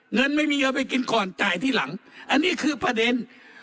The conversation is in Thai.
เงินไม่มีเอาไปกินก่อนจ่ายทีหลังอันนี้คือประเด็น